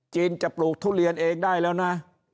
จะปลูกทุเรียนเองได้แล้วนะ